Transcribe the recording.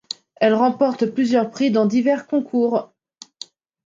Elle remporte plusieurs prix dans divers concours.